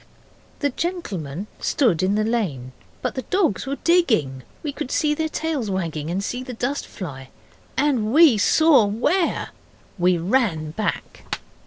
The gentleman stood in the lane, but the dogs were digging we could see their tails wagging and see the dust fly. And we SAW WHERE. We ran back.